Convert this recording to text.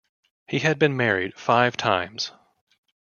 He had been married five times.